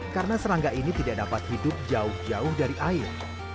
karena serangga ini tidak dapat hidup jauh jauh dari air